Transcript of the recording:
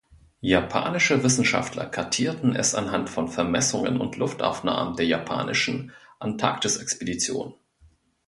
Japanische Wissenschaftler kartierten es anhand von Vermessungen und Luftaufnahmen der japanischen Antarktisexpeditionen.